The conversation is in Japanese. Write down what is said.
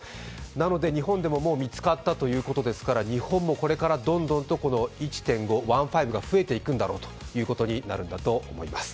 なので日本でももう見つかったということですから日本もこれからどんどんと、この１．５が増えていくんだろうということになるんだと思います。